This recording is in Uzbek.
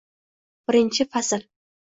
Birinchi fasl